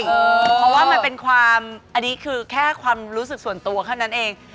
เพราะว่ามันเป็นความอันนี้คือแค่ความรู้สึกส่วนตัวแค่นั้นเอง